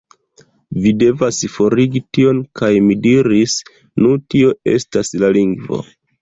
Vi devas forigi tion" kaj mi diris, "Nu, tio estas la lingvo.